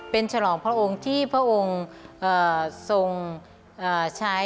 เป็นฉลองพระองค์ที่พระองค์ทรงใช้